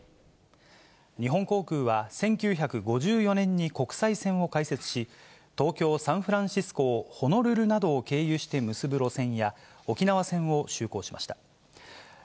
日本航空は１９５４年に国際線を開設し、東京・サンフランシスコをホノルルなどを経由して結ぶ路線や、沖縄線を就航しました。